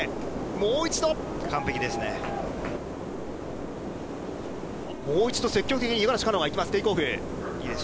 もう一度、積極的に五十嵐カノアが行きます。